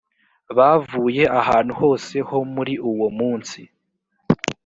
bavuye ahantu hose ho muri wo munsi